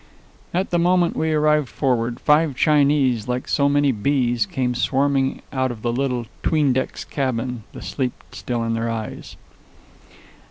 At the moment we arrived forward, five Chinese, like so many bees, came swarming out of the little 'tween decks cabin, the sleep still in their eyes.